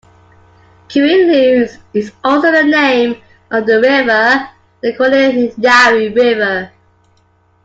"Kouilou" is also the name of a river, the Kouilou-Niari River.